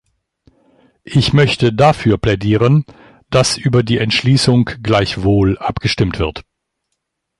Ich möchte dafür plädieren, dass über die Entschließung gleichwohl abgestimmt wird.